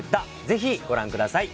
ぜひご覧ください